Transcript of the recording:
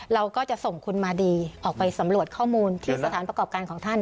เราก็จะส่งคุณมาดีออกไปสำรวจข้อมูลที่สถานประกอบการของท่าน